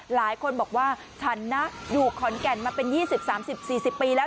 หลายคนบอกว่าฉันนะอยู่ขอนแก่นมาเป็นยี่สิบสามสิบสี่สิบปีแล้ว